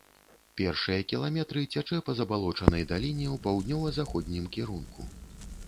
Першыя кіламетры цячэ па забалочанай даліне ў паўднёва-заходнім кірунку.